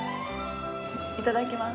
いただきます。